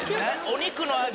お肉の味？